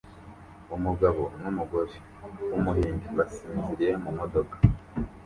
Umugabo numugore wumuhinde basinziriye mumodoka